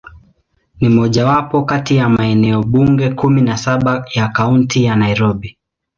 Ni mojawapo kati ya maeneo bunge kumi na saba ya Kaunti ya Nairobi.